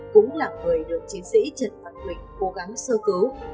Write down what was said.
cũng là người được chiến sĩ trần văn quỳnh cố gắng sơ cứu